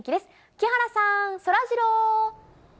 木原さん、そらジロー。